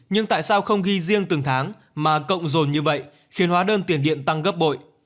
nhưng tại sao không ghi riêng từng tháng mà cộng dồn như vậy khiến hóa đơn tiền điện tăng gấp bội